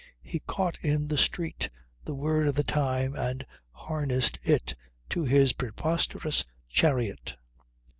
He caught in the street the word of the time and harnessed it to his preposterous chariot.